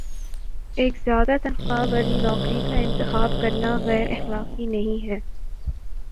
ایک زیادہ تنخواہ والی نوکری کا انتخاب کرنا غیراخلاقی نہیں ہے